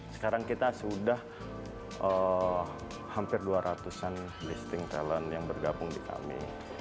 sekarang kita sudah hampir dua ratus an listing talent yang bergabung di kami